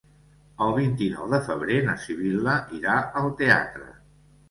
El vint-i-nou de febrer na Sibil·la irà al teatre.